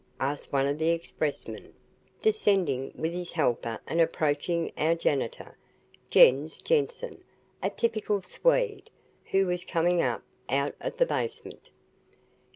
asked one of the expressmen, descending with his helper and approaching our janitor, Jens Jensen, a typical Swede, who was coming up out of the basement.